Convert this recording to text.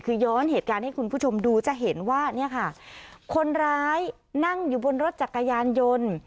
คือย้อนเหตุการณ์ให้คุณผู้ชมดูจะเห็นว่าเนี่ยค่ะคนร้ายนั่งอยู่บนรถจักรยานยนต์